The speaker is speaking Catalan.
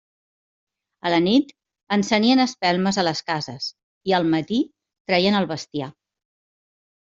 A la nit encenien espelmes a les cases, i al matí treien el bestiar.